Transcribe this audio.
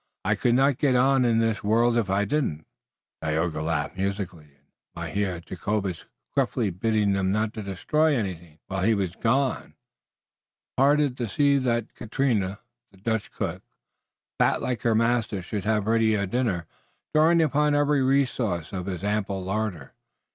I could not get on in this world if I didn't." Tayoga laughed musically, and Mynheer Jacobus gruffly bidding them not to destroy anything, while he was gone, departed to see that Caterina, the Dutch cook, fat like her master, should have ready a dinner, drawing upon every resource of his ample larder.